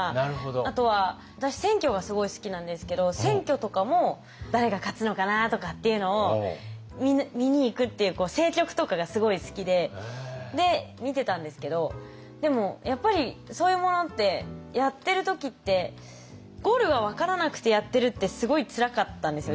あとは私選挙がすごい好きなんですけど選挙とかも誰が勝つのかなとかっていうのを見に行くっていう政局とかがすごい好きで見てたんですけどでもやっぱりそういうものってやってる時ってゴールが分からなくてやってるってすごいつらかったんですよ